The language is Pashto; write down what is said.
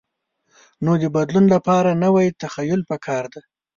نو د بدلون لپاره نوی تخیل پکار دی.